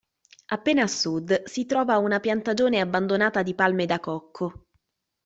Appena a sud si trova una piantagione abbandonata di palme da cocco.